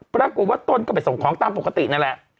ปรากฏว่าตนก็ไปส่งของตามปกตินั่นแหละ